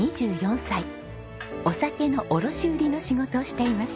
お酒の卸売りの仕事をしています。